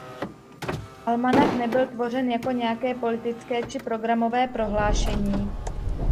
Almanach nebyl tvořen jako nějaké politické či programové prohlášení.